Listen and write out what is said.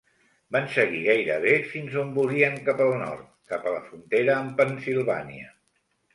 Van seguir gairebé fins on volien cap al nord, cap a la frontera amb Pennsilvània.